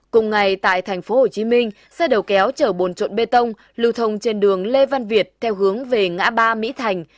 cùng ngày tại thành phố hồ chí minh xe đầu kéo chở bồn trộn bê tông lưu thông trên đường lê văn việt theo hướng về ngã ba mỹ thành